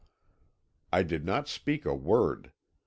"I did not speak a word.